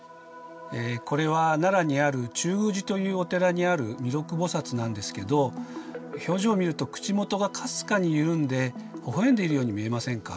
これは奈良にある中宮寺というお寺にある弥勒菩なんですけど表情を見ると口元がかすかに緩んでほほ笑んでいるように見えませんか？